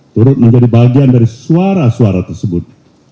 turut menjadi bagian dari suara suara tersebut